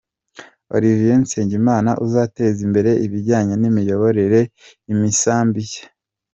Olivier Nsengimana uzateza imbere ibijyanye n’imyororokere y’imisambi.